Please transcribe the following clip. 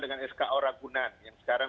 dengan sko ragunan yang sekarang